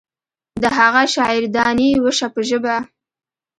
د هغه شاعر دانې وشه په ژبه.